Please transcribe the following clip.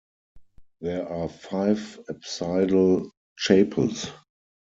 There are five apsidal chapels.